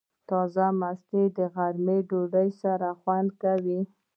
تازه مستې د غرمې ډوډۍ سره خوند کوي.